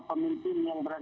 pemimpin yang berada